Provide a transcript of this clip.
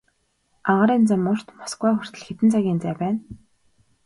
Агаарын зам урт, Москва хүртэл хэдэн цагийн зай байна.